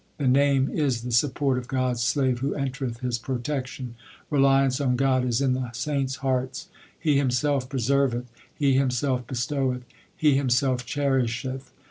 The Name is the support of God s slave who entereth His protection. Reliance on God is in the saints hearts. He Himself preserveth ; He Himself bestoweth ; He Him self cherisheth.